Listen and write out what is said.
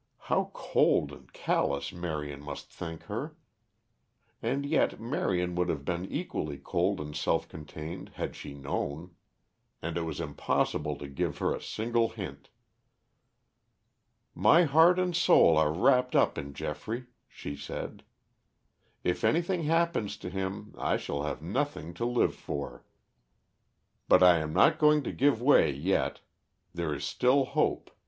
How cold and callous Marion must think her! And yet Marion would have been equally cold and self contained had she known. And it was impossible to give her a single hint. "My heart and soul are wrapped up in Geoffrey," she said. "If anything happens to him I shall have nothing to live for. But I am not going to give way yet. There is still hope.